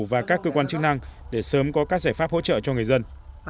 và các cơ quan chức năng để sớm có các giải pháp hỗ trợ cho người dân